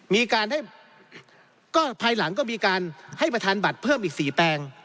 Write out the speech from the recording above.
มีการให้ก็ภายหลังก็มีการให้ประธานบัตรเพิ่มอีก๔แปลง